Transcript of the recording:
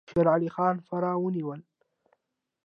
شیر علي خان فراه ونیوله.